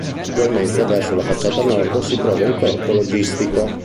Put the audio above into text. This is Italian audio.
Attualmente verso la facciata nord si trova un corpo logistico.